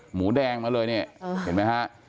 หมูแดงมาเลยเนี่ยเห็นไหมฮะ